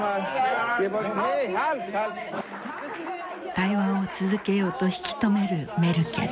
対話を続けようと引き止めるメルケル。